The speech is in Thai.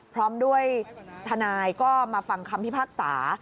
พร้อมด้วยทนายก็มาฟังคำพิพากษา